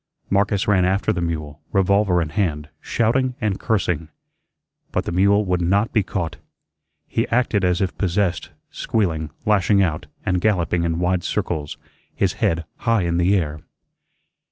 Marcus ran after the mule, revolver in hand, shouting and cursing. But the mule would not be caught. He acted as if possessed, squealing, lashing out, and galloping in wide circles, his head high in the air.